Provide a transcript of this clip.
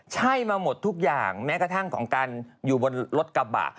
ใช่มาหมดทุกอย่างแม้กระทั่งของการอยู่บนรถกระบะ